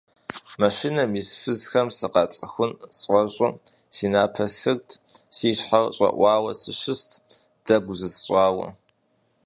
Машинэм ис фызхэм сыкъацӀыхун сфӀэщӀу си напэр сырт, си щхьэр щӀэӀуауэ сыщыст, дэгу зысщӀауэ.